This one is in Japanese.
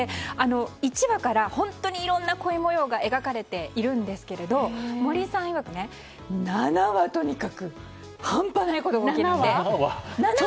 １話から本当にいろんな恋模様が描かれているんですが森さんいわくね、７話、とにかく半端ないことが起きると。